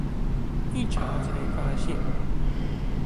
一查才發現